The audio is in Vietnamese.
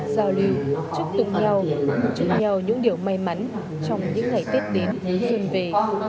giàu lưu chúc tụng nhau chúc nhau những điều may mắn trong những ngày tết đến xuân về